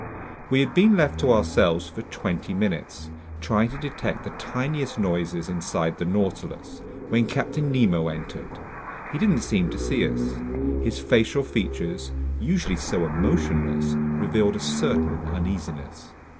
We had been left to ourselves for twenty minutes, trying to detect the tiniest noises inside the Nautilus, when Captain Nemo entered. He didn't seem to see us. His facial features, usually so emotionless, revealed a certain uneasiness.